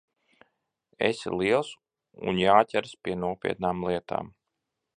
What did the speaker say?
Esi liels, un jāķeras pie nopietnām lietām.